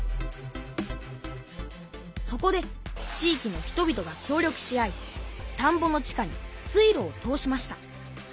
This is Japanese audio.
そこで地域の人々が協力し合いたんぼの地下に水路を通しました。